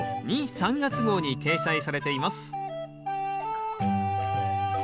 ・３月号に掲載されています